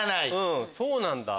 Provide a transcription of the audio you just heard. うんそうなんだ！